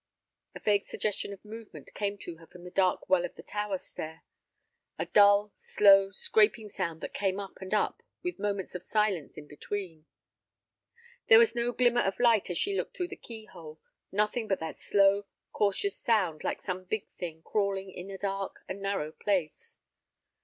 A vague suggestion of movement came to her from the dark well of the tower stair—a dull, slow, scraping sound that came up and up with moments of silence in between. There was no glimmer of light as she looked through the key hole, nothing but that slow, cautious sound like some big thing crawling in a dark and narrow place.